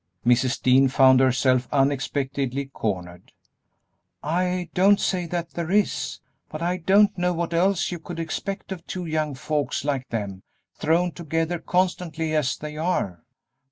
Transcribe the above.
Mrs. Dean found herself unexpectedly cornered. "I don't say that there is, but I don't know what else you could expect of two young folks like them, thrown together constantly as they are."